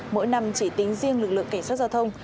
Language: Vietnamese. mỗi năm chỉ tính riêng lực lượng cảnh sát giao thông